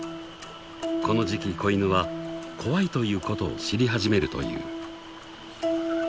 ［この時期子犬は怖いということを知り始めるという］